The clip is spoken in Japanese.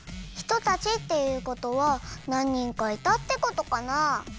「ひとたち」っていうことはなん人かいたってことかなあ？